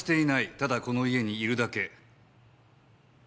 ただこの家にいるだけ。